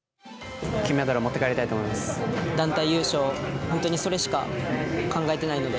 金メダルを持って帰りたいと団体優勝、本当にそれしか考えてないので。